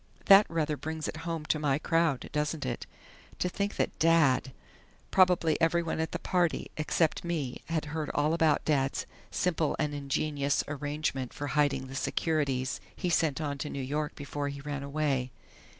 "That rather brings it home to my crowd doesn't it?... To think that Dad !... Probably everyone at the party except me had heard all about Dad's 'simple and ingenious' arrangement for hiding the securities he sent on to New York before he ran away....